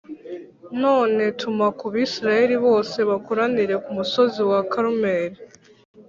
None tuma ku Bisirayeli bose bakoranire ku musozi wa Karumeli